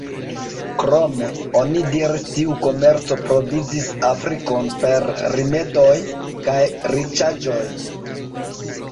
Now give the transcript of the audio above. Krome, oni diris, tiu komerco provizis Afrikon per rimedoj kaj riĉaĵoj.